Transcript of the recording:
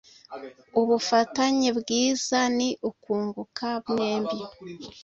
Ubufatanye bwiza ni ukunguka mwembi.